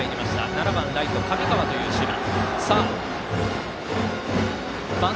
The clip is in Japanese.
７番、ライト、神川という守備。